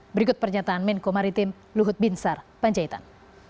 berikut pernyataan menko maritim luhut binsar panjaitan